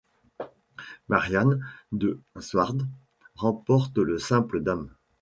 Mariaan de Swardt remporte le simple dames.